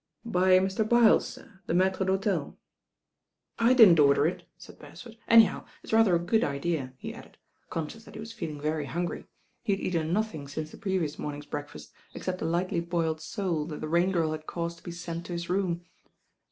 "By Mr. Byles, sir, the mattre d'hotel." ^ "I didn't order it," said Beresford. "Anyhow, it's rather a good idea," he added, conscious that he was feeling very hungry; he had eaten nothing since i ! 166 THE RAIN 6IRL the previous morning's breakfast, except a lightly boiled sole that the Rain Girl had caused to be sent to his room.